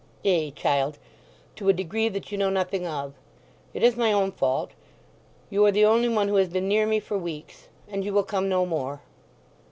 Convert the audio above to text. "Ay, child—to a degree that you know nothing of! It is my own fault. You are the only one who has been near me for weeks. And you will come no more."